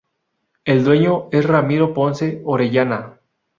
El dueño es Ramiro Ponce Orellana.